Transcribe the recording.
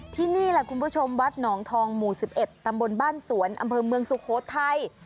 ที่นี่แหละคุณผู้ชมวัดหนองทองหมู่๑๑ตำบลบ้านสวนอำเภอเมืองสุโขทัย